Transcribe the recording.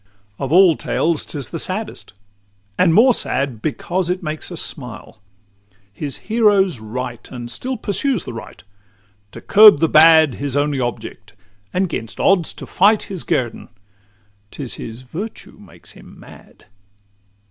IX Of all tales 't is the saddest and more sad, Because it makes us smile: his hero's right, And still pursues the right; to curb the bad His only object, and 'gainst odds to fight His guerdon: 't is his virtue makes him mad!